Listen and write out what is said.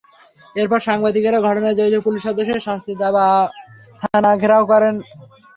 এরপর সাংবাদিকেরা ঘটনায় জড়িত পুলিশ সদস্যদের শাস্তি দাবি করে থানা ঘেরাও করেন।